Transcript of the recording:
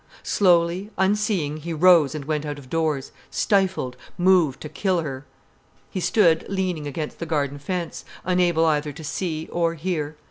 Slowly, unseeing, he rose and went out of doors, stifled, moved to kill her. He stood leaning against the garden fence, unable either to see or hear.